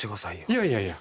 いやいやいや。